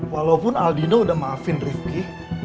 walaupun aldino udah maafin rifki